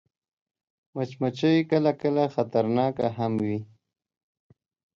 مچمچۍ کله کله خطرناکه هم وي